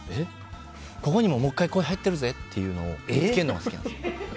ここにももう１回声入ってるぜっていうのを見つけるのが好き。